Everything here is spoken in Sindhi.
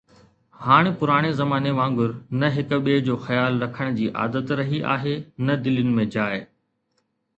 هاڻ پراڻي زماني وانگر نه هڪ ٻئي جو خيال رکڻ جي عادت رهي آهي نه دلين ۾ جاءِ.